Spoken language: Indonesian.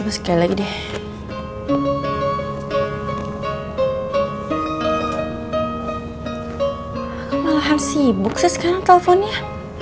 masa ini alles mustahil ya